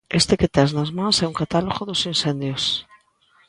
Este que tes nas mans é un catálogo dos incendios.